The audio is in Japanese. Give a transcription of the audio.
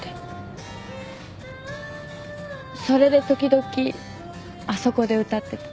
それで時々あそこで歌ってた。